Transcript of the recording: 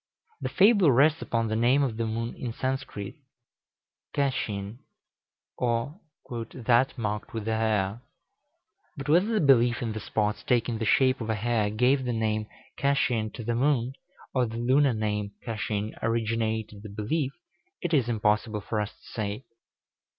The fable rests upon the name of the moon in Sanskrit, çaçin, or "that marked with the hare;" but whether the belief in the spots taking the shape of a hare gave the name çaçin to the moon, or the lunar name çaçin originated the belief, it is impossible for us to say.